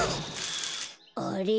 あれ？